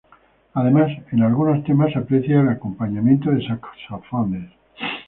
Además en algunos temas se aprecia el acompañamiento de saxofones.